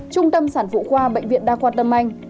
trung tâm sản phụ khoa bệnh viện đa khoa tâm anh